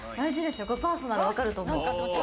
パーソナル分かると思う。